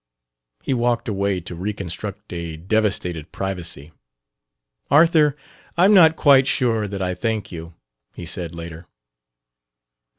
He walked away to reconstruct a devastated privacy. "Arthur, I'm not quite sure that I thank you," he said, later.